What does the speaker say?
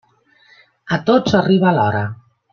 A tots arriba l'hora.